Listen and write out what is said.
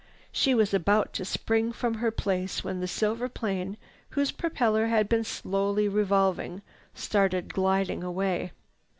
She was about to spring from her place when the silver plane, whose propeller had been slowly revolving, started gliding away.